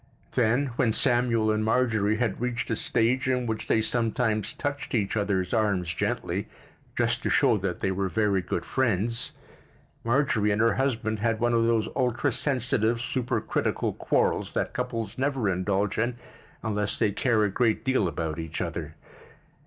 Then, when Samuel and Marjorie had reached a stage in which they sometimes touched each other's arms gently, just to show that they were very good friends, Marjorie and her husband had one of those ultrasensitive, supercritical quarrels that couples never indulge in unless they care a great deal about each other.